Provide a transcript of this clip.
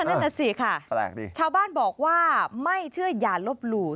นั่นแหละสิค่ะแปลกดิชาวบ้านบอกว่าไม่เชื่ออย่าลบหลู่